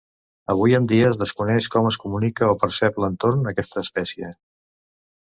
Avui en dia, es desconeix com es comunica o percep l'entorn aquesta espècie.